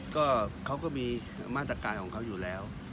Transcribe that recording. ก็เขาก็มีมาตรการของเขาอยู่แล้ว